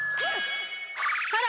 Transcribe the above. ほら！